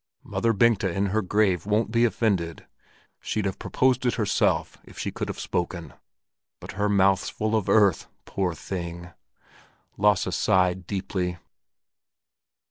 Mother Bengta in her grave won't be offended; she'd have proposed it herself, if she could have spoken; but her mouth's full of earth, poor thing!" Lasse sighed deeply.